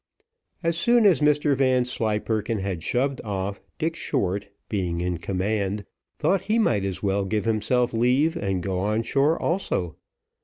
As soon as Mr Vanslyperken had shoved off, Dick Short, being in command, thought he might as well give himself leave, and go on shore also.